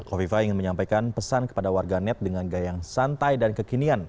hovifa ingin menyampaikan pesan kepada warga net dengan gaya yang santai dan kekinian